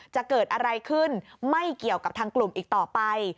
จะเกิดอะไรขึ้นไม่เกี่ยวกับทางกลุ่มอีกต่อไป